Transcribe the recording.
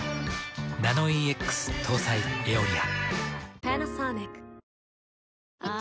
ナノイーＸ搭載「エオリア」。